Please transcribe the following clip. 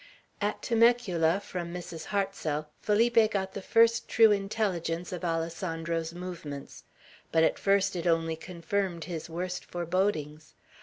At Temecula, from Mrs. Hartsel, Felipe got the first true intelligence of Alessandro's movements; but at first it only confirmed his worst forebodings.